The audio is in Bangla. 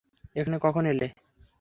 এখানে কখন এলে?